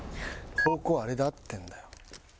方向あれで合ってるんだよ。